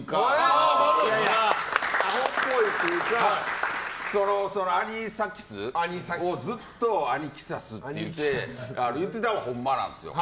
アホっぽいというかアニサキスをずっとアニキサスって言ってたのはほんまなんですよ。